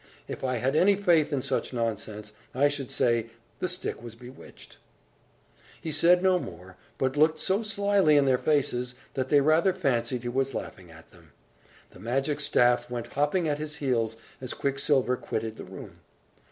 If I had any faith in such nonsense, I should say the stick was bewitched!" He said no more, but looked so slyly in their faces, that they rather fancied he was laughing at them. The magic staff went hopping at his heels, as Quicksilver quitted the room.